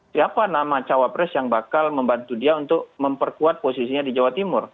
siapa nama cawapres yang bakal membantu dia untuk memperkuat posisinya di jawa timur